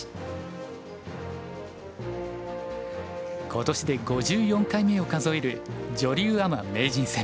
今年で５４回目を数える女流アマ名人戦。